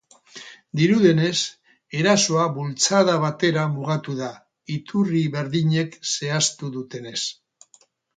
Dirudienez, erasoa bultzada batera mugatu da, iturri berdinek zehaztu dutenez.